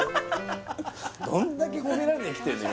どんだけ褒められてきてんの？